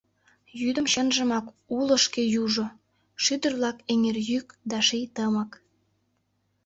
Йӱдын, чынжымак, уло шке южо — Шӱдыр-влак, эҥер йӱк да ший тымык…